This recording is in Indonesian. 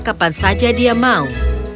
kapan saja dia mau